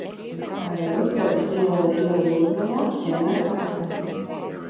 Rucavas iela ir iela Jūrmalā, Ķemeru apkaimē.